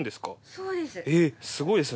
そうです。